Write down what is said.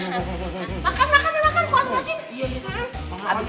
makan makan makan puas puasin